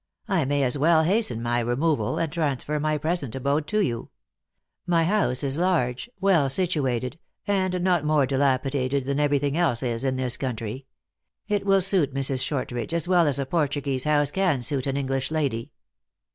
I may as well hasten my removal, and transfer my present abode to you. My house is large, well situated, and not more dilap idated than every thing else is in this country. It will suit Mrs. Shortridge as well as a Portuguese house can suit an English lady."